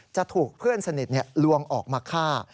จะถูกเพื่อนสนิทลวงออกมาฆ่า